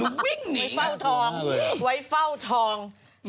มึงวิ่งหนีไว้เฟ้าทอง